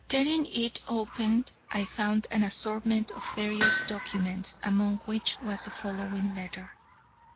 Tearing it open, I found an assortment of various documents, among which was the following letter.'"